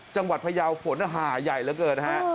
จังหวัดพยาวฝนหาใหญ่เหลือเกินนะครับ